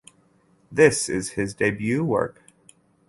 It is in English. This is his debut work.